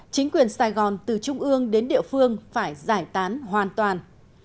chính quyền sài gòn từ trung ương đến địa phương phải giải tán hoàn toàn